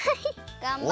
がんばれ。